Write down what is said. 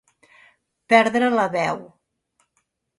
Perdre la veu.